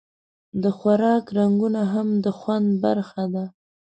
د خوراک رنګونه هم د خوند برخه ده.